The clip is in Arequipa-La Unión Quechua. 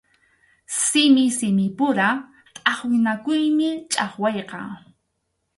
Simi simipura tʼaqwinakuymi chʼaqwayqa.